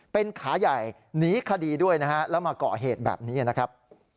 เป็นขาใหญ่หนีคดีด้วยนะฮะแล้วมาเกาะเหตุแบบนี้นะครับ